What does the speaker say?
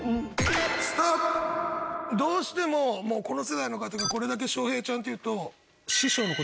どうしてもこの世代の方がこれだけ翔平ちゃんって言うと。